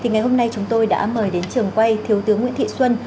ngày hôm nay chúng tôi đã mời đến trường quay thiếu tướng nguyễn thị xuân